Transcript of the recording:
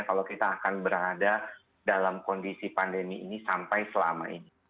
kalau kita akan berada dalam kondisi pandemi ini sampai selama ini